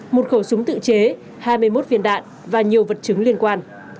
một khẩu súng tự chế hai mươi một viên đạn và nhiều vật chứng liên quan